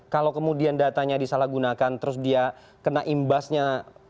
kalau kemudian datanya disalah gunakan terus dia kena imbasnya